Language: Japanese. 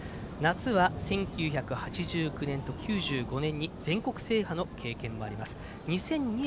夏は１９８９年と９５年に全国制覇の経験もあります。